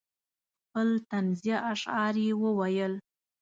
خپل طنزیه اشعار یې وویل.